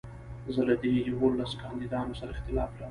زه له دې يوولسو کانديدانو سره اختلاف لرم.